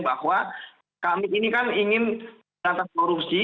bahwa kami ini kan ingin menantas korupsi